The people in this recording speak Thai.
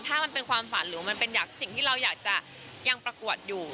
ถ้ามันเป็นความฝันหรือมันเป็นสิ่งที่เราอยากจะยังประกวดอยู่